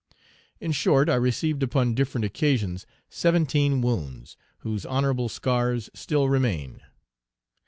In short, I received upon different occasions seventeen wounds, whose honorable scars still remain.